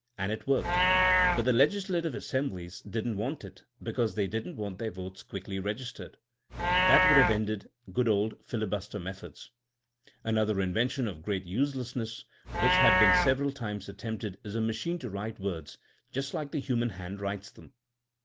And it worked. But the legislative assemblies didn't want it, because they didn't want their votes quickly registered. That would have ended good old filibuster methods. Another invention of great uselessness which has been several times attempted is a machine to write words just like the human hand writes them.